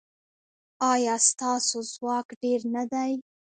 ایا ستاسو ځواک ډیر نه دی؟